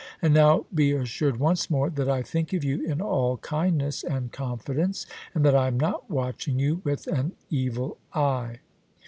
And now be assured once more that I think of you in all kindness and confidence, and that I am not watching you with an evil eye."